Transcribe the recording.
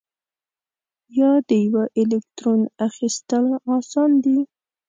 یا د یوه الکترون اخیستل آسان دي؟